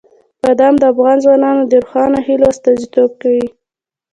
بادام د افغان ځوانانو د روښانه هیلو استازیتوب کوي.